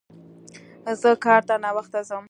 زه کار ته ناوخته ځم